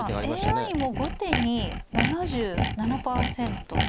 今ＡＩも後手に７７％と。